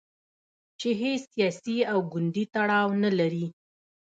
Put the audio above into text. چې هیڅ سیاسي او ګوندي تړاو نه لري.